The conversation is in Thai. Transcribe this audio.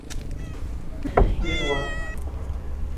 เวียนหัว